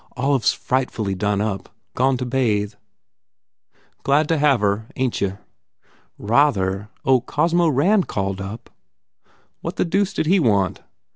Olive s frightfully done up. Gone to bathe. * "Glad to have her, ain t you?" "Ra ther! Oh, Cosmo Rand called up." "What the deuce did he want?"